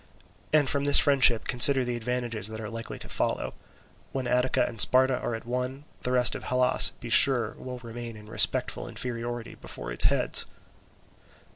And from this friendship consider the advantages that are likely to follow: when Attica and Sparta are at one, the rest of Hellas, be sure, will remain in respectful inferiority before its heads."